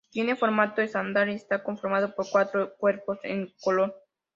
Tiene formato estándar y está conformado por cuatro cuerpos en color.